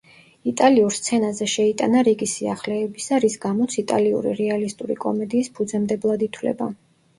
იტალიურ სცენაზე შეიტანა რიგი სიახლეებისა, რის გამოც იტალიური რეალისტური კომედიის ფუძემდებლად ითვლება.